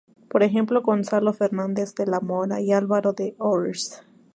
Por ejemplo Gonzalo Fernández de la Mora y Álvaro d'Ors.